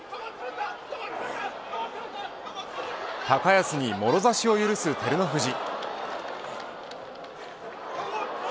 高安にもろ差しを許す照ノ富士。